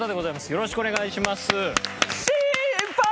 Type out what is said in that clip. よろしくお願いします。